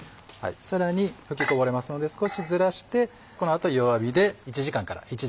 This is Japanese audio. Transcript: さらに吹きこぼれますので少しずらしてこの後。